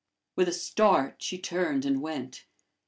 With a start, she turned and went.